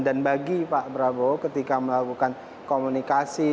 dan bagi pak prabowo ketika melakukan komunikasi